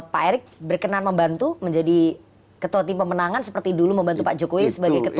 pak erick berkenan membantu menjadi ketua tim pemenangan seperti dulu membantu pak jokowi sebagai ketua